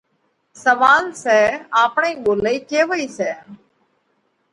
سوئال سئہ آپڻئِي ٻولئِي ڪيوئِي سئہ؟